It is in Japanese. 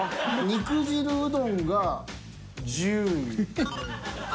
肉汁うどんが１０位。